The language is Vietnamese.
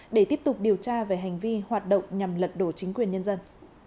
để tiếp tục điều tra về hành vi hoạt động nhằm lật đổ chính quyền nhân dân